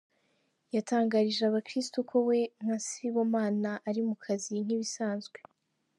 Yatangarije abakristo ko we nka Sibomana ari mu kazi nk'ibisanzwe.